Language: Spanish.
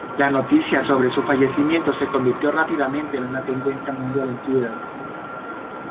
La noticia sobre su fallecimiento se convirtió rápidamente en una tendencia mundial en Twitter.